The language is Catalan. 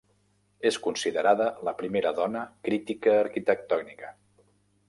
És considerada la primera dona crítica arquitectònica.